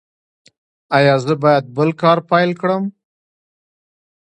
ایا زه باید بل کار پیدا کړم؟